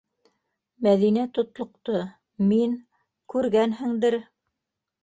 - Мәҙинә тотлоҡто, - мин, күргәнһеңдер...